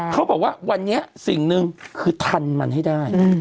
เขาบอกว่าวันนี้สิ่งหนึ่งคือทันมันให้ได้